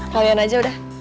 kalian aja udah